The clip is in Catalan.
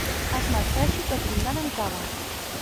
Es marceixi tot brindant amb cava.